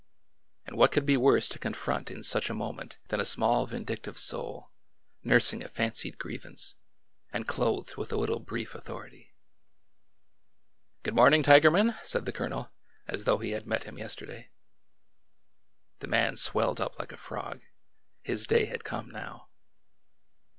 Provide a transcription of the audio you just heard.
And what could be worse to confront in such a moment than a small vindictive soul, nursing a fancied grievance, and clothed with a little brief authority? " Good morning, Tigerman," said the Colonel, as though he had met him yesterday. The man swelled up like a frog. His day had come now.